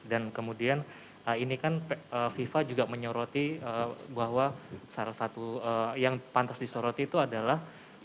dan kemudian ini kan fifa juga menyoroti bahwa salah satu yang pantas disoroti itu adalah